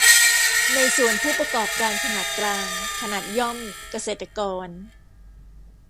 ในส่วน ผู้ประกอบการขนาดกลาง ขนาดย่อม เกษตรกร